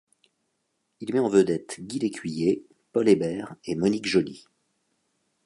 Il met en vedette Guy L'Écuyer, Paul Hébert et Monique Joly.